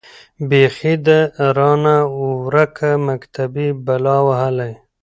بيـخي ده رانـه وركه مــكتبۍ بــلا وهــلې.